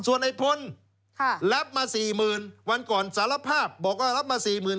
ส่วนไอ้พลค่ะรับมาสี่หมื่นวันก่อนสารภาพบอกว่ารับมาสี่หมื่น